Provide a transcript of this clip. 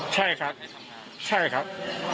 ใช่ครับใช่ครับ